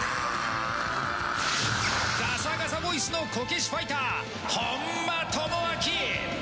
ガサガサボイスのこけしファイター・本間朋晃！